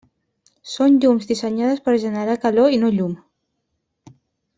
Són llums dissenyades per generar calor i no llum.